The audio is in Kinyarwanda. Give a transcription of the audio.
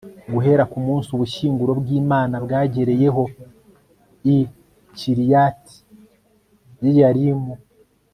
guhera ku munsi ubushyinguro bw'imana bwagereyeho i kiriyati yeyarimu